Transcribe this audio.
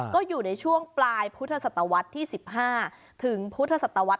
ก็อยู่ในช่วงปลายพศ๑๕ถึงพศ๑๖ค่ะ